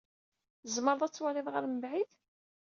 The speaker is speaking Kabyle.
Tzemred ad twalid ɣer mebɛid?